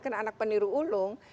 karena anak peniru ulung